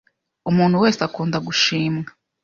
Umuntu wese akunda gushimwa.